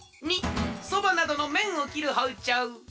②そばなどのめんを切るほうちょう。